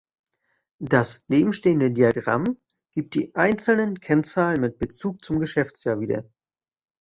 Das nebenstehende Diagramm gibt die einzelnen Kennzahlen mit Bezug zum Geschäftsjahr wieder.